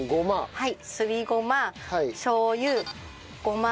はい。